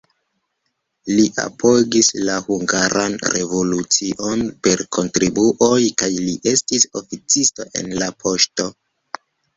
Li apogis la hungaran revolucion per kontribuoj kaj li estis oficisto en la poŝto.